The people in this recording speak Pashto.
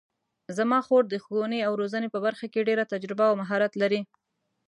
زما خور د ښوونې او روزنې په برخه کې ډېره تجربه او مهارت لري